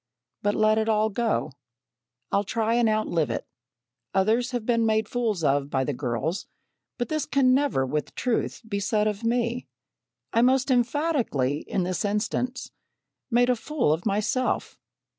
But let it all go. I'll try and outlive it. Others have been made fools of by the girls; but this can never with truth be said of me. I most emphatically in this instance made a fool of myself.